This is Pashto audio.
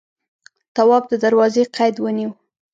تواب د دروازې قید ونيو.